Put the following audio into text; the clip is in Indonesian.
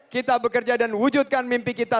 kita bekerja dan wujudkan mimpi kita